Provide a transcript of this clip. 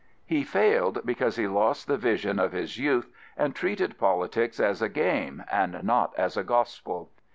He failed because he lost the vision of his youth, and treated politics as a game, and not as a gospel.